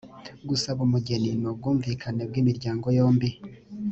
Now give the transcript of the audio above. gusaba umugeni ni ubwumvikane bw’ imiryango yombi